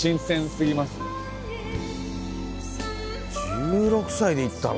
１６歳で行ったの。